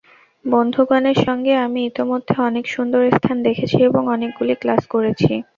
বন্ধুগণের সঙ্গে আমি ইতোমধ্যে অনেক সুন্দর স্থান দেখেছি এবং অনেকগুলি ক্লাস করেছি।